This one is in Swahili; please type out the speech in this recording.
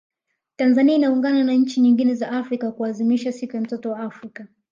Tanzania inaungana na nchi nyingine za Afrika kuadhimisha siku ya mtoto wa Afrika